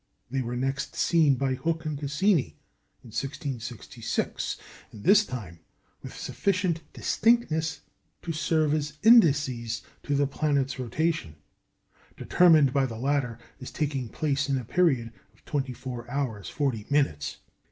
They were next seen by Hooke and Cassini in 1666, and this time with sufficient distinctness to serve as indexes to the planet's rotation, determined by the latter as taking place in a period of twenty four hours forty minutes.